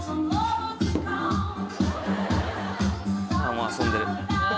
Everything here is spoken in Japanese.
もう遊んでる